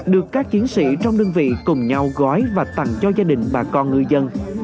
được các chiến sĩ trong đơn vị cùng nhau gói và tặng cho gia đình bà con ngư dân